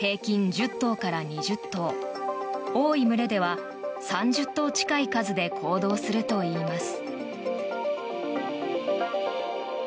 １０頭から２０頭多い群れでは３０頭近い数で行動するといいます。